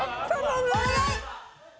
お願い！